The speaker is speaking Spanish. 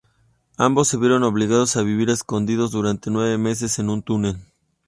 Ambos se vieron obligados a vivir escondidos durante nueve meses en un túnel.